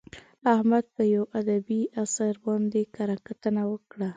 احمد په یوه ادبي اثر باندې کره کتنه وکړه.